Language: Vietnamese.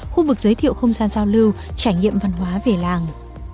khu vực giới thiệu không gian giao lưu trải nghiệm văn hóa về làng